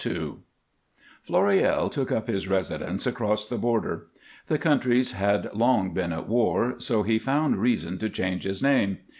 II Floréal took up his residence across the border. The countries had long been at war, so he found reason to change his name.